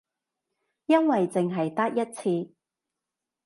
因為淨係得一次